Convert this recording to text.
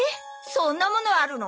そんなものあるの？